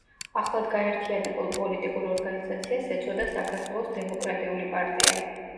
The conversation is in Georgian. ახლად გაერთიანებულ პოლიტიკურ ორგანიზაციას ეწოდა „საქართველოს დემოკრატიული პარტია“.